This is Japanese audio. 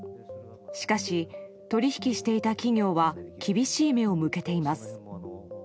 しかし、取引していた企業は厳しい目を向けています。